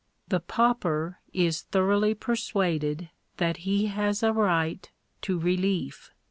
The pauper is thoroughly persuaded that he has a right to relief.